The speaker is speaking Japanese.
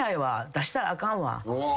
出したらあかんわ。